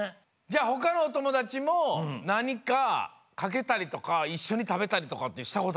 じゃあほかのおともだちもなにかかけたりとかいっしょにたべたりとかってしたことある？